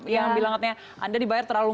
yang bilang katanya anda dibayar terlalu